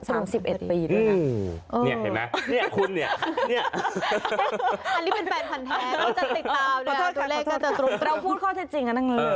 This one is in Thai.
อันนี้เป็นแฟนฟันแท้เราจะติดตามตัวเลกก็จะตรงนั้น